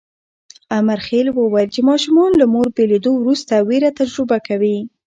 امرخېل وویل چې ماشومان له مور بېلېدو وروسته وېره تجربه کوي.